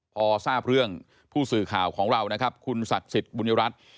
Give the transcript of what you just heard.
พอทราบเรื่องผู้สื่อข่าวของเรานะครับคุณศักดิ์สิทธิ์บุญรัฐ